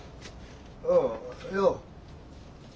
ああよう！